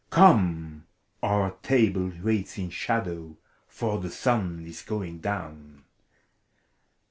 Come, our table waits in shadow! For the sun is going down.